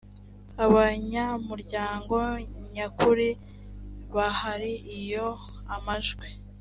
abanyamuryango nyakuri bahari iyo amajwi